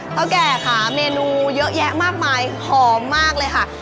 แก่ค่ะเมนูเยอะแยะมากมายหอมมากเลยค่ะ